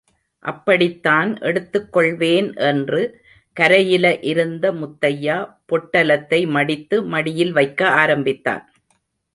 அப்படித்தான் எடுத்துக் கொள்வேன் என்று கரையில இருந்த முத்தையா, பொட்டலத்தை மடித்து, மடியில் வைக்க ஆரம்பித்தான்.